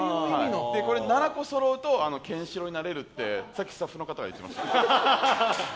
７個そろうとケンシロウになれるとさっき、スタッフの方が言っていました。